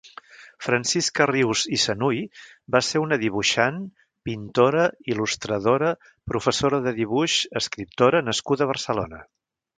Francisca Rius i Sanuy va ser una dibuixant, pintora, il·lustradora, professora de dibuix, escriptora nascuda a Barcelona.